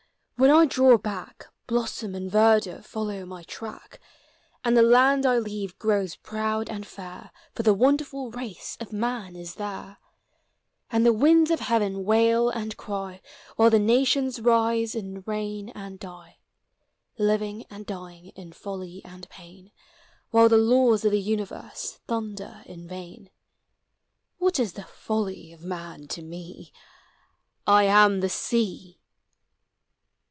When I draw back Blossom and verdure follow my track, And the land I leave grows proud and fair. For the wonderful race of man is there; And the winds of heaven wail and cry While the nations rise and reign and die — Living and dying in folly and pain, While the laws of the universe thunder in vain. What is the folly of man to me? I am the Sea!